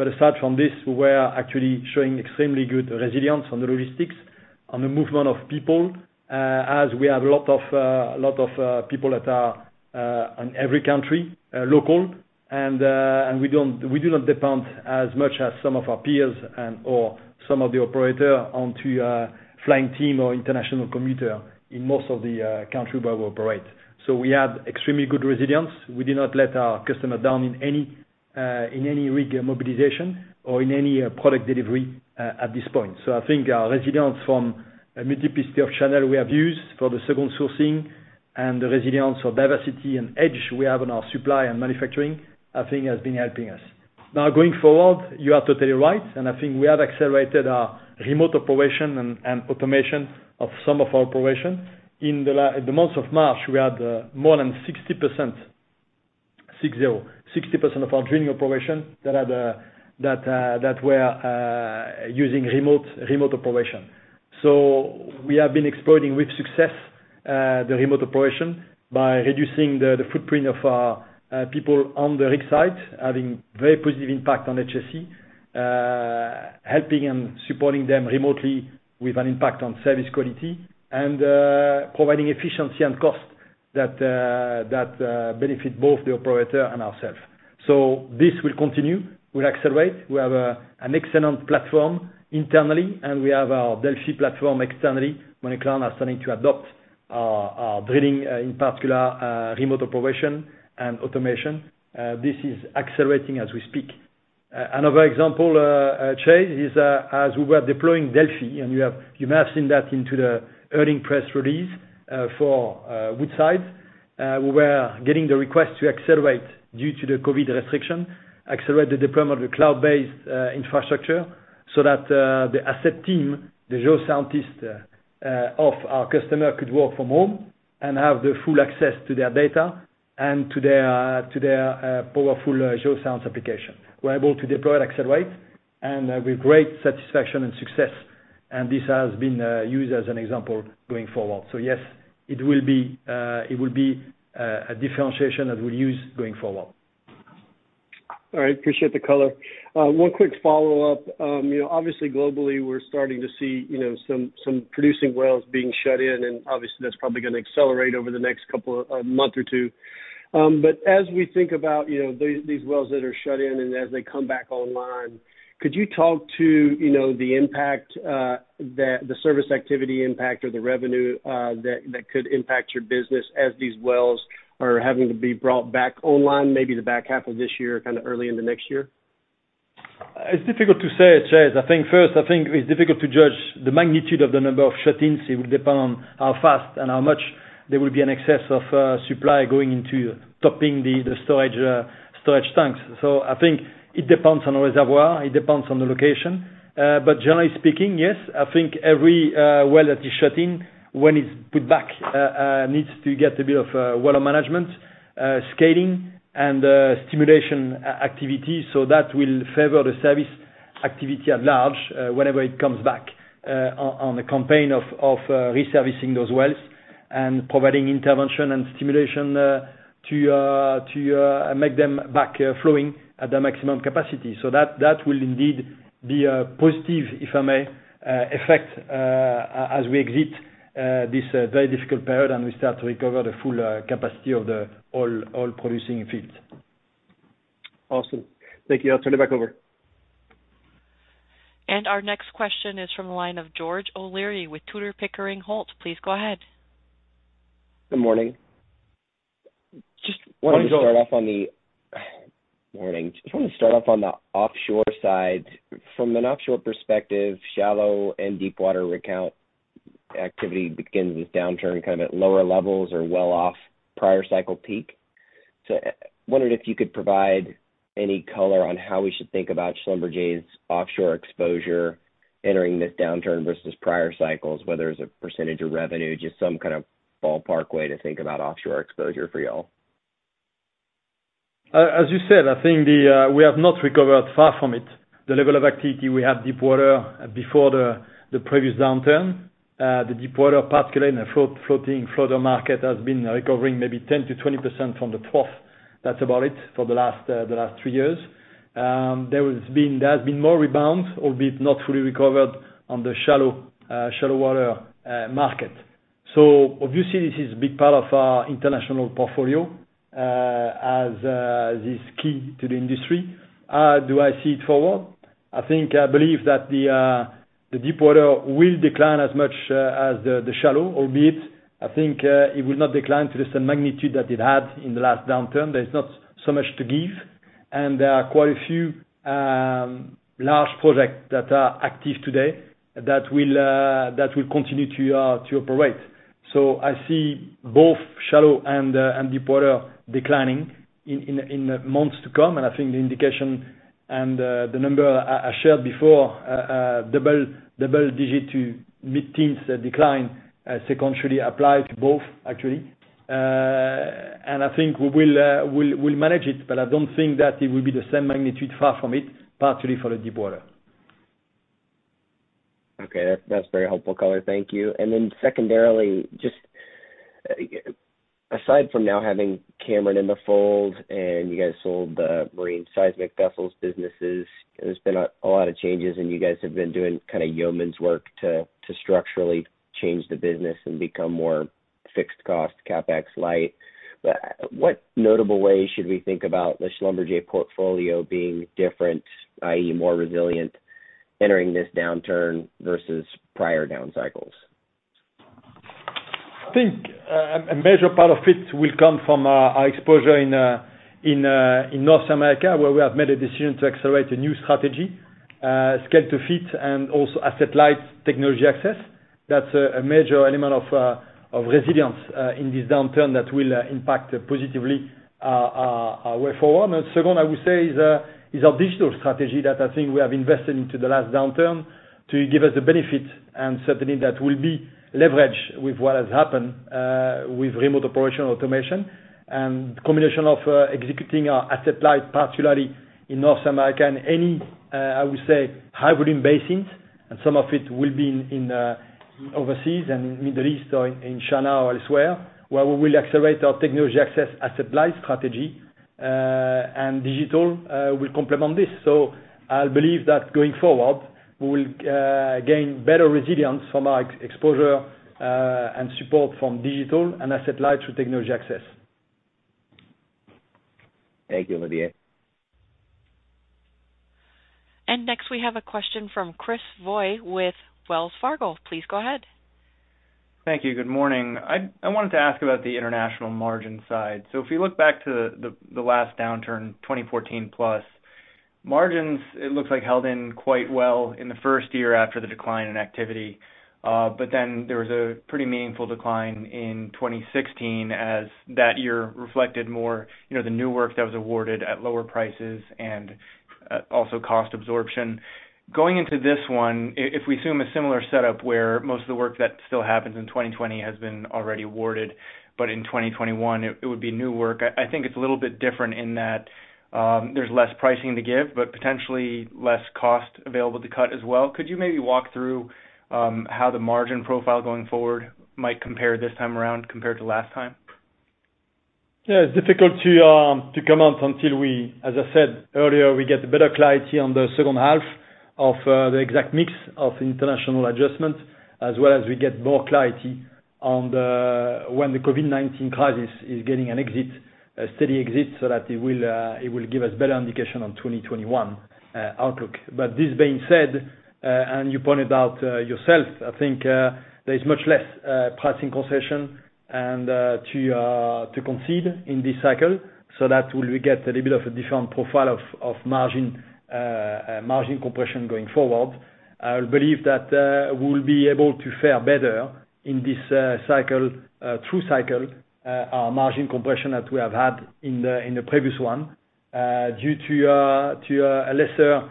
Aside from this, we were actually showing extremely good resilience on the logistics, on the movement of people, as we have a lot of people that are in every country, local, and we do not depend as much as some of our peers and or some of the operator onto a flying team or international commuter in most of the country where we operate. We had extremely good resilience. We did not let our customer down in any rig mobilization or in any product delivery at this point. I think our resilience from a multiplicity of channel we have used for the second sourcing and the resilience of diversity and edge we have on our supply and manufacturing, I think has been helping us. Going forward, you are totally right, I think we have accelerated our remote operation and automation of some of our operation. In the month of March, we had more than 60% of our drilling operation that were using remote operation. We have been exploring with success, the remote operation by reducing the footprint of our people on the rig site, having very positive impact on HSE, helping and supporting them remotely with an impact on service quality and providing efficiency and cost that benefit both the operator and ourselves. This will continue. We'll accelerate. We have an excellent platform internally, we have our Delfi platform externally. Many clients are starting to adopt our drilling, in particular, remote operation and automation. This is accelerating as we speak. Another example, Chase, is as we were deploying Delfi, and you may have seen that into the earning press release for Woodside. We were getting the request to accelerate due to the COVID restriction, accelerate the deployment of the cloud-based infrastructure so that the asset team, the geoscientists of our customer could work from home. Have the full access to their data and to their powerful Geoscience application. We're able to deploy and accelerate and with great satisfaction and success, and this has been used as an example going forward. Yes, it will be a differentiation that we'll use going forward. All right. Appreciate the color. One quick follow-up. Obviously, globally, we're starting to see some producing wells being shut in, and obviously, that's probably going to accelerate over the next month or two. As we think about these wells that are shut in and as they come back online, could you talk to the service activity impact or the revenue that could impact your business as these wells are having to be brought back online, maybe the back half of this year, kind of early in the next year? It's difficult to say, Chase. I think first, I think it's difficult to judge the magnitude of the number of shut-ins. It will depend on how fast and how much there will be an excess of supply going into topping the storage tanks. I think it depends on the reservoir, it depends on the location. Generally speaking, yes, I think every well that is shut in, when it's put back, needs to get a bit of well management, scaling, and stimulation activity. That will favor the service activity at large whenever it comes back on a campaign of reservicing those wells and providing intervention and stimulation to make them back flowing at the maximum capacity. That will indeed be a positive, if I may, effect as we exit this very difficult period and we start to recover the full capacity of the oil-producing fields. Awesome. Thank you. I'll turn it back over. Our next question is from the line of George O'Leary with Tudor, Pickering, Holt. Please go ahead. Good morning. Good morning, George. Morning. Just wanted to start off on the offshore side. From an offshore perspective, shallow and deep water rig count activity begins this downturn kind of at lower levels or well off prior cycle peak. I wondered if you could provide any color on how we should think about SLB's offshore exposure entering this downturn versus prior cycles, whether it's a % of revenue, just some kind of ballpark way to think about offshore exposure for you all. As you said, I think we have not recovered far from it. The level of activity we had deep water before the previous downturn. The deep water, particularly in the floating floater market, has been recovering maybe 10%-20% from the trough. That's about it for the last three years. There has been more rebound, albeit not fully recovered, on the shallow water market. Obviously, this is a big part of our international portfolio, as it is key to the industry. Do I see it forward? I think I believe that the deep water will decline as much as the shallow, albeit I think it will not decline to the same magnitude that it had in the last downturn. There's not so much to give, and there are quite a few large projects that are active today that will continue to operate. I see both shallow and deep water declining in the months to come. I think the indication and the number I shared before, double-digit to mid-teens decline, secondarily apply to both actually. I think we'll manage it, but I don't think that it will be the same magnitude, far from it, partially for the deep water. Okay. That's very helpful color. Thank you. Secondarily, just aside from now having Cameron in the fold and you guys sold the marine seismic vessels businesses, there's been a lot of changes and you guys have been doing kind of yeoman's work to structurally change the business and become more fixed cost, CapEx light. What notable ways should we think about the Schlumberger portfolio being different, i.e., more resilient, entering this downturn versus prior down cycles? I think a major part of it will come from our exposure in North America, where we have made a decision to accelerate a new strategy, scale-to-fit, and also asset-light technology access. That's a major element of resilience in this downturn that will impact positively our way forward. Second, I would say, is our digital strategy that I think we have invested into the last downturn to give us the benefit, and certainly that will be leveraged with what has happened with remote operation automation. Combination of executing our asset-light, particularly in North America and any, I would say, high volume basins, and some of it will be in overseas and Middle East or in China or elsewhere, where we will accelerate our technology access asset-light strategy, and digital will complement this. I believe that going forward, we will gain better resilience from our exposure and support from digital and asset-light through technology access. Thank you, Olivier. Next we have a question from Chris Voie with Wells Fargo. Please go ahead. Thank you. Good morning. I wanted to ask about the international margin side. If you look back to the last downturn, 2014 plus margins, it looks like, held in quite well in the first year after the decline in activity. There was a pretty meaningful decline in 2016 as that year reflected more the new work that was awarded at lower prices and also cost absorption. Going into this one, if we assume a similar setup where most of the work that still happens in 2020 has been already awarded, but in 2021, it would be new work. I think it's a little bit different in that there's less pricing to give, but potentially less cost available to cut as well. Could you maybe walk through how the margin profile going forward might compare this time around compared to last time? Yeah, it's difficult to comment until we, as I said earlier, we get better clarity on the second half of the exact mix of international adjustments, as well as we get more clarity on when the COVID-19 crisis is getting a steady exit, so that it will give us better indication on 2021 outlook. This being said, and you pointed out yourself, I think there is much less pricing concession and to concede in this cycle. We will get a little bit of a different profile of margin compression going forward. I believe that we'll be able to fare better in this true cycle, our margin compression that we have had in the previous one, due to a lesser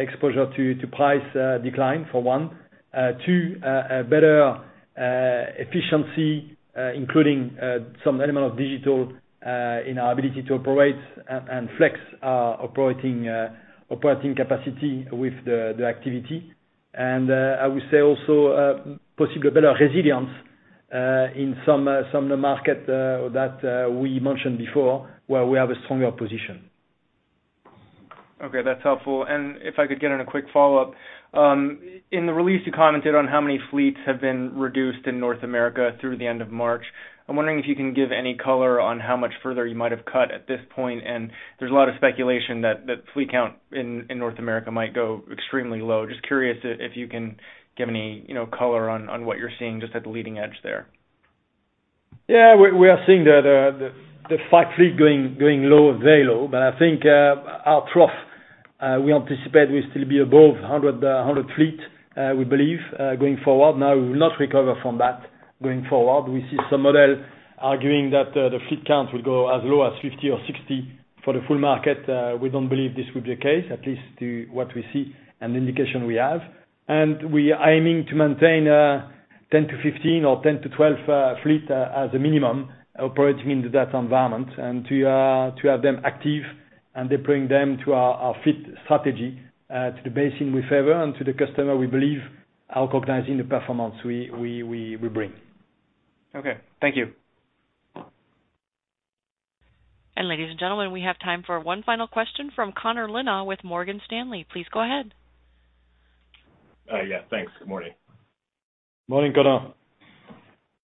exposure to price decline for one. Two, a better efficiency, including some element of digital, in our ability to operate and flex our operating capacity with the activity. I would say also, possibly a better resilience in some of the market that we mentioned before, where we have a stronger position. Okay, that's helpful. If I could get in a quick follow-up. In the release, you commented on how many fleets have been reduced in North America through the end of March. I'm wondering if you can give any color on how much further you might have cut at this point. There's a lot of speculation that fleet count in North America might go extremely low. Just curious if you can give any color on what you're seeing just at the leading edge there. Yeah, we are seeing the frac fleet going low, very low. I think our trough, we anticipate will still be above 100 fleet, we believe, going forward. Now, we will not recover from that going forward. We see some model arguing that the fleet count will go as low as 50 or 60 for the full market. We don't believe this will be the case, at least to what we see and the indication we have. We are aiming to maintain 10-15 fleet or 10-12 fleet as a minimum operating into that environment, and to have them active and deploying them to our fleet strategy, to the basin we favor and to the customer we believe are recognizing the performance we bring. Okay. Thank you. Ladies and gentlemen, we have time for one final question from Connor Lynagh with Morgan Stanley. Please go ahead. Yeah. Thanks. Good morning. Morning, Connor.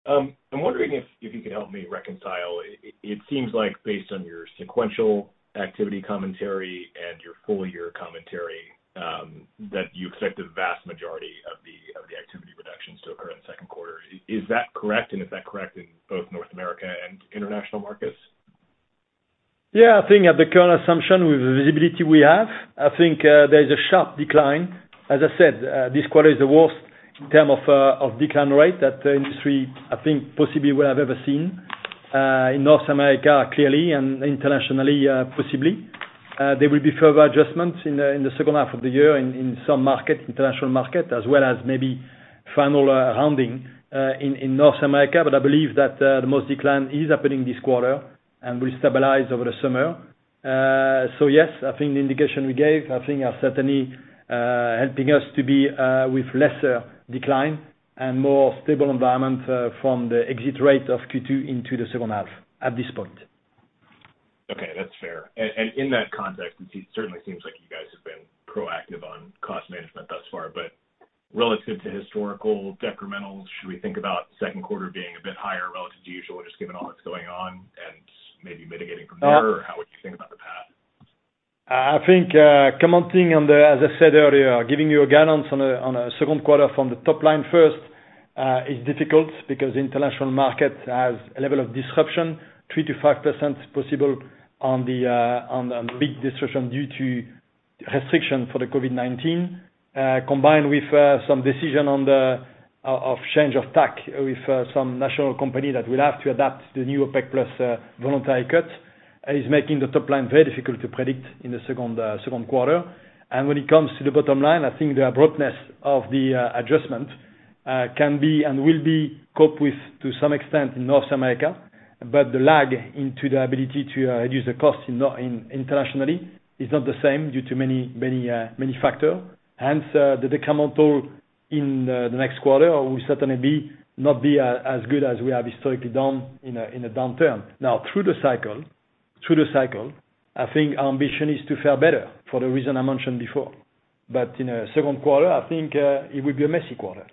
I'm wondering if you could help me reconcile. It seems like based on your sequential activity commentary and your full-year commentary, that you expect the vast majority of the activity reductions to occur in the second quarter. Is that correct? Is that correct in both North America and international markets? Yeah, I think at the current assumption with the visibility we have, I think there is a sharp decline. As I said, this quarter is the worst in terms of decline rate that the industry, I think, possibly will have ever seen, in North America, clearly, and internationally, possibly. There will be further adjustments in the second half of the year in some international market, as well as maybe final rounding in North America. I believe that the most decline is happening this quarter and will stabilize over the summer. Yes, I think the indication we gave, I think are certainly helping us to be with lesser decline and more stable environment from the exit rate of Q2 into the second half, at this point. Okay, that's fair. In that context, it certainly seems like you guys have been proactive on cost management thus far, but relative to historical decrementals, should we think about second quarter being a bit higher relative to usual, just given all that's going on and maybe mitigating from there? How would you think about the path? I think, commenting on the, as I said earlier, giving you a guidance on a second quarter from the top line first is difficult because the international market has a level of disruption, 3%-5% possible on the big disruption due to restriction for the COVID-19. Combined with some decision of change of tack with some national company that will have to adapt to the new OPEC+ voluntary cut, is making the top line very difficult to predict in the second quarter. When it comes to the bottom line, I think the abruptness of the adjustment can be and will be coped with to some extent in North America, but the lag into the ability to reduce the cost internationally is not the same due to many factor. The decremental in the next quarter will certainly not be as good as we have historically done in a downturn. Now through the cycle, I think our ambition is to fare better for the reason I mentioned before. In the second quarter, I think it will be a messy quarter,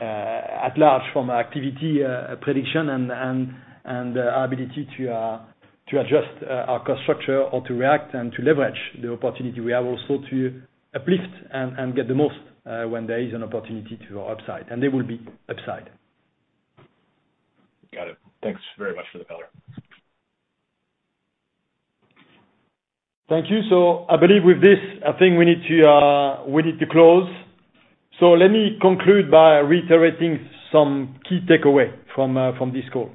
at large, from activity prediction and our ability to adjust our cost structure or to react and to leverage the opportunity. We have also to uplift and get the most when there is an opportunity to go upside, and there will be upside. Got it. Thanks very much for the color. Thank you. I believe with this, I think we need to close. Let me conclude by reiterating some key takeaway from this call.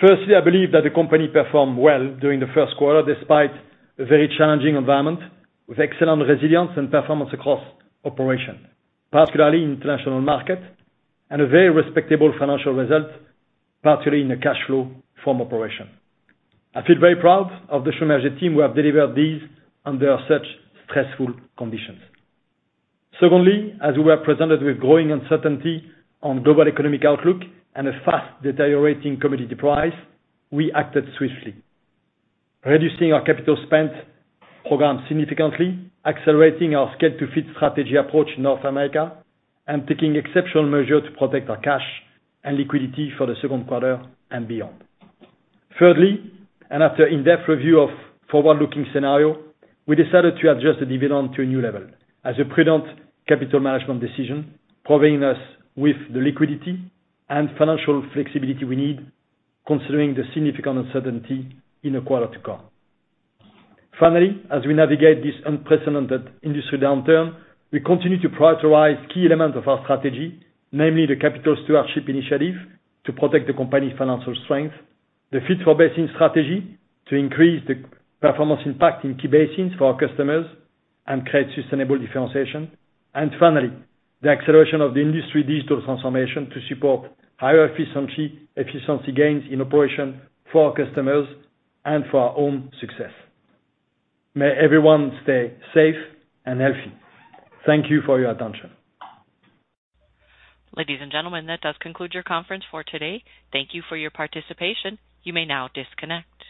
Firstly, I believe that the company performed well during the first quarter, despite a very challenging environment, with excellent resilience and performance across operation, particularly international market, and a very respectable financial result, particularly in the cash flow from operation. I feel very proud of the Schlumberger team who have delivered these under such stressful conditions. Secondly, as we were presented with growing uncertainty on global economic outlook and a fast deteriorating commodity price, we acted swiftly, reducing our capital spend program significantly, accelerating our scale-to-fit strategy approach in North America, and taking exceptional measure to protect our cash and liquidity for the second quarter and beyond. Thirdly, after in-depth review of forward-looking scenario, we decided to adjust the dividend to a new level as a prudent capital management decision, providing us with the liquidity and financial flexibility we need, considering the significant uncertainty in the quarter to come. As we navigate this unprecedented industry downturn, we continue to prioritize key elements of our strategy, namely the Capital Stewardship Initiative to protect the company's financial strength, the Fit-for-Basin strategy to increase the performance impact in key basins for our customers and create sustainable differentiation, and finally, the acceleration of the industry digital transformation to support higher efficiency gains in operation for our customers and for our own success. May everyone stay safe and healthy. Thank you for your attention. Ladies and gentlemen, that does conclude your conference for today. Thank you for your participation. You may now disconnect.